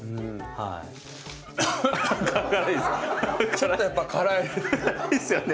ちょっとやっぱ辛いですね。